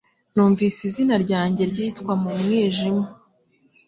Numvise izina ryanjye ryitwa mu mwijima